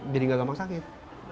jadi enggak gampang sakit